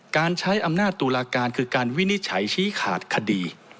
การใช้อำนาจตุลาการคือการวินิจฉัยชี้ขาดคดี